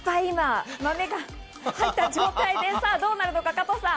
豆が入った状態でどうなるのか。